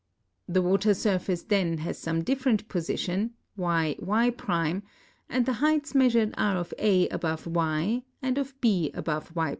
The water surface then has some different position, Y Y', and the heights measured are of A above Y and of B above Y'.